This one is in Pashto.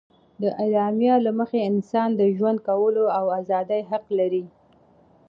د اعلامیې له مخې انسان د ژوند کولو او ازادي حق لري.